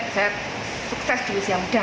jadi saya harus sukses di usia muda